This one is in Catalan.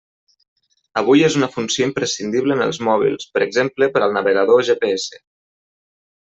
Avui és una funció imprescindible en els mòbils, per exemple per al navegador GPS.